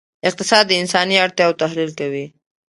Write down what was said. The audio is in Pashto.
اقتصاد د انساني اړتیاوو تحلیل کوي.